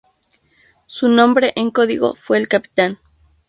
Su nombre en código fue "El Capitán".